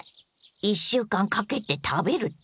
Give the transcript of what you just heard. １週間かけて食べるって？